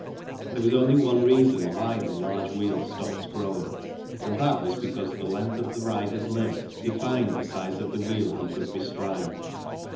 There was only one reason why the large wheel stopped growing, and that was because the length of the rider's limb defined the size of wheel he could bestride.